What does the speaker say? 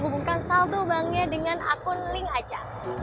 hubungkan saldo banknya dengan akun link aja